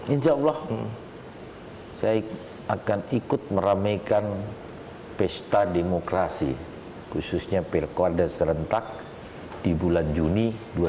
insya allah saya akan ikut meramaikan pesta demokrasi khususnya pilkada serentak di bulan juni dua ribu tujuh belas